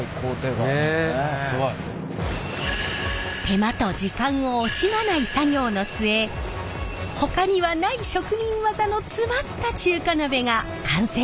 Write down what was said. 手間と時間を惜しまない作業の末ほかにはない職人技の詰まった中華鍋が完成するのです。